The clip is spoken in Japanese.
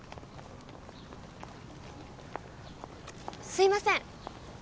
すいません。